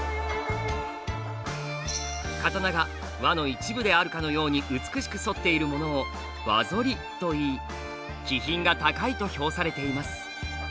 刀が輪の一部であるかのように美しく反っているものを「輪反り」といい「気品が高い」と評されています。